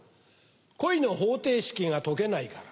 恋の方程式が解けないから。